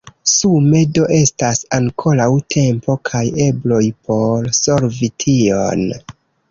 Sume do estas ankoraŭ tempo kaj ebloj por solvi tion.